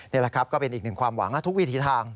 นี่แหละครับก็เป็นอีกหนึ่งความหวังและทุกวิถีทาง